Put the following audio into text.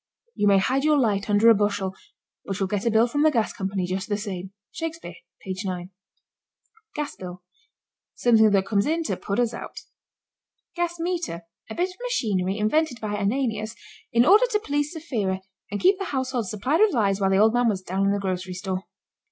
"You may hide your light under a bushel, but you'll get a bill from the gas company just the same." (Shakespeare, page 9.) GAS BILL. Something that comes in to put us out. GAS METER. A bit of machinery invented by Ananias in order to please Saphira and keep the household supplied with lies while the old man was down in the grocery store.